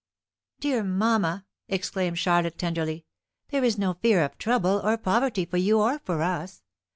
"Dear mamma," exclaimed Charlotte tenderly, "there is no fear of trouble or poverty for you or for us.